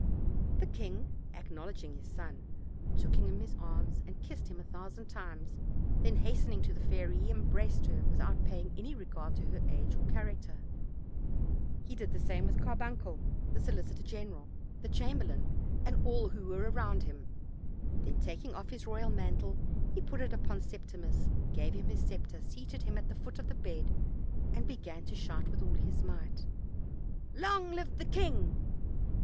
The king, acknowledging his son, took him in his arms and kissed him a thousand times; then hastening to the fairy, he embraced her without paying any regard to her age or character; he did the same with Carbuncle, the solicitor general, the chamberlain and all who were around him; then, taking off his royal mantle, he put it tpon Septimus, gave him his scepter, seated him at the foot of the bed, and began to shout with all his might: "Long live the king!"